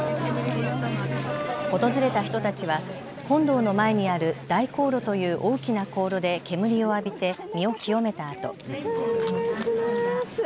訪れた人たちは本堂の前にある「大香炉」という大きな香炉で煙を浴びて身を清めたあと。